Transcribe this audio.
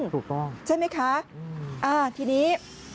ถูกต้องใช่ไหมคะทีนี้